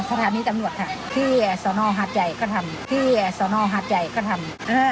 สถานีตำรวจค่ะที่ฮาดใจก็ทำที่ฮาดใจก็ทำอ่า